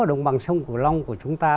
ở đồng bằng sông củ long của chúng ta